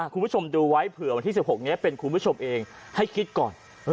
คุณผู้ชมดูไว้เผื่อวันที่๑๖นี้เป็นคุณผู้ชมเองให้คิดก่อน